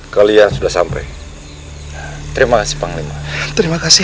kalian sudah sampai terima kasih panglima terima kasih